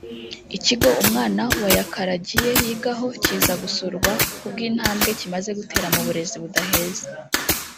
Ikigo umwana wa Yakaragiye yigaho kiza gusurwa ku bw’intambwe kimaze gutera mu burezi budaheza